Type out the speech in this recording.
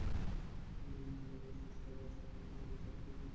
সেখান থেকে চিকিৎসকদের পরামর্শে আশঙ্কাজনক অবস্থায় ঢাকায় নেওয়ার পথে তিনি মারা যান।